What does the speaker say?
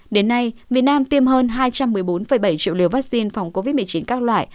đến nay việt nam tiêm hơn hai trăm một mươi bốn bảy triệu liều vaccine phòng covid một mươi chín các loại